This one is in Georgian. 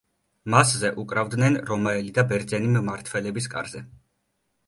მასზე უკრავდნენ რომაელი და ბერძენი მმართველების კარზე.